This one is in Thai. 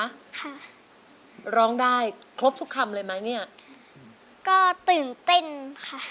ค่ะร้องได้ครบทุกคำเลยไหมเนี้ยก็ตื่นเต้นค่ะ